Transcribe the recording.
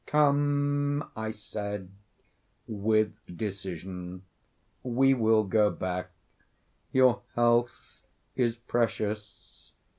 "Come," I said, with decision, "we will go back; your health is precious.